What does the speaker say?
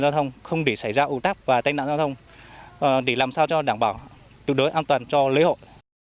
giao thông không để xảy ra ưu tác và tách nạn giao thông để làm sao cho đảm bảo tự đối an toàn cho lễ hội